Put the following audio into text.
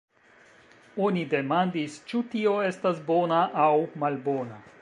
Oni demandis: Ĉu tio estas bona aŭ malbona?